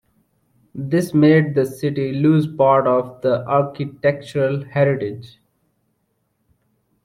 This made the city lose part of the architectural heritage.